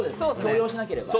強要しなければ。